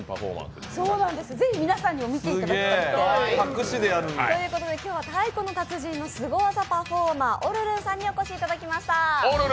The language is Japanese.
ぜひ皆さんにも見ていただきたくて。ということで今日は「太鼓の達人」のすご技パフォーマーおるるんさんにお越しいただきました。